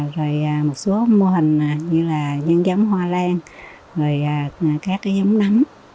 rồi một số mô hình như là nhân giấm hoa lan rồi các giấm nắm